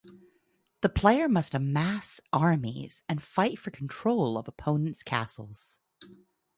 The player must amass armies and fight for control of opponents' castles.